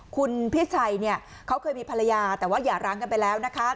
คุณพี่ชัยเขาเคยมีภรรยาแต่ว่าอย่าร้างกันไปแล้วนะคะ